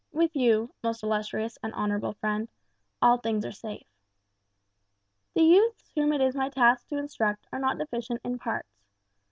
With you, most illustrious and honourable friend, all things are safe. "The youths whom it is my task to instruct are not deficient in parts.